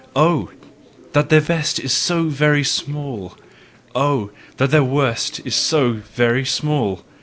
Oh, that their best is so very small! Oh, that their worst is so very small!